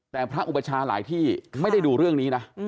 แต่พระอุปชาหลายที่ไม่ได้ดูเรื่องนี้นะ